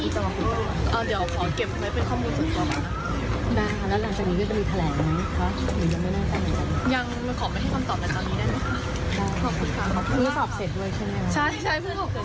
ใช่ใช่